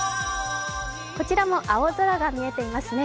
こちらも青空が見えていますね。